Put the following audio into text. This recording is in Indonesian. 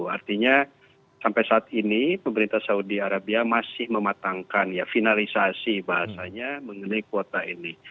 artinya sampai saat ini pemerintah saudi arabia masih mematangkan finalisasi bahasanya mengenai kuota ini